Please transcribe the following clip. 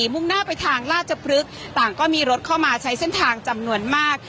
มุ่งหน้าไปทางราชพฤกษ์ต่างก็มีรถเข้ามาใช้เส้นทางจำนวนมาก